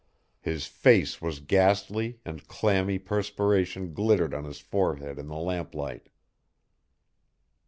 His face was ghastly and clammy perspiration glittered on his forehead in the lamplight.